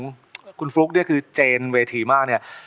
คุณฟลุ๊กเนี่ยคือเจนเวทีมากเนี่ย